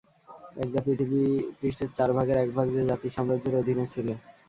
একদা পৃথিবী পৃষ্ঠের চার ভাগের একভাগ যে জাতির সাম্রাজ্যের অধীনে ছিল।